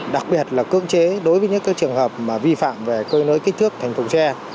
đặc biệt là cưỡng chế đối với những trường hợp vi phạm về cơi nới kích thước thành thùng xe